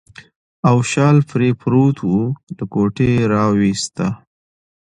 او شال پرې پروت و، له کوټې راوایسته.